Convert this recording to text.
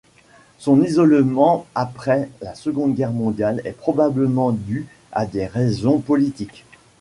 Son isolement après la Seconde Guerre mondiale est probablement due à des raisons politiques.